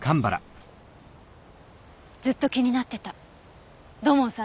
ずっと気になってた土門さんの言葉が。